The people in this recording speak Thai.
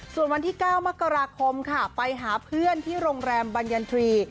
ส่วนวันที่๙มกราคมค่ะไปหาเพื่อนที่โรงแรมบรรยันทรีย์